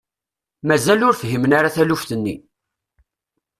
Mazal ur fhimen ara taluft-nni.